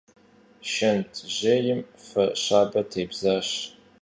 Шэнт жьейм фэ щабэ тебзащ.